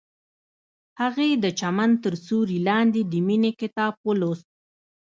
هغې د چمن تر سیوري لاندې د مینې کتاب ولوست.